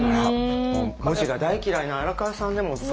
文字が大嫌いな荒川さんでもすごく。